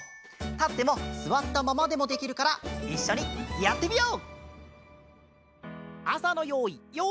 たってもすわったままでもできるからいっしょにやってみよう！